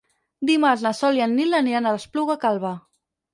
Dimarts na Sol i en Nil aniran a l'Espluga Calba.